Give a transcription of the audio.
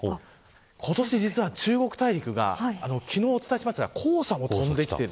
今年、実は中国大陸が、昨日お伝えしましたが黄砂も飛んできている。